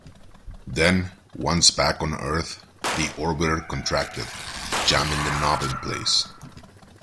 Then, once back on Earth, the Orbiter contracted, jamming the knob in place.